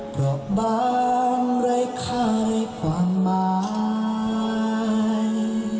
กลับบ้านไร้ค่ายความหมาย